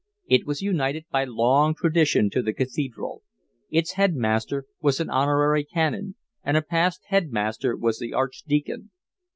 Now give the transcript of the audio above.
It was united by long tradition to the Cathedral: its headmaster was an honorary Canon, and a past headmaster was the Archdeacon.